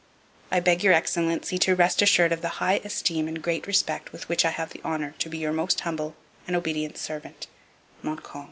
I beg Your Excellency to rest assured of the high esteem and great respect with which I have the honour to be your most humble and obedient servant, MONTCALM.'